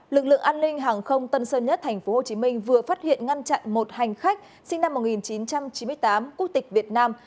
lực lượng an ninh hàng không tân sơn nhất tp hcm vừa phát hiện ngăn chặn một hành khách sinh năm một nghìn chín trăm chín mươi tám quốc tịch việt nam